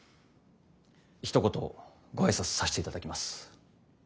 ひと言ご挨拶させていただきます。